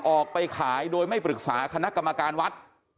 ออกไปขายโดยไม่ปรึกษาคณะกรรมการวัด